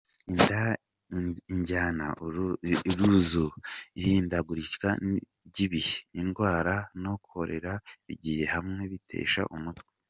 "Indyane, uruzuba, ihindagurika ry'ibihe, ingwara na kolera bigiye hamwe, bitesha umutwe.